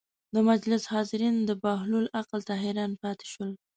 د مجلس حاضرین د بهلول عقل ته حیران پاتې شول.